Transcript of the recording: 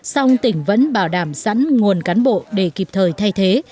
song tỉnh vẫn bảo đảm sẵn nguồn cán bộ để kịp thời thay thế